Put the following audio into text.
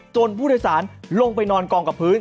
ผู้โดยสารลงไปนอนกองกับพื้น